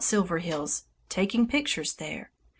Silverheels, taking pictures there.